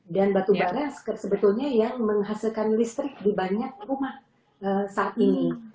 dan batubara sebetulnya yang menghasilkan listrik di banyak rumah saat ini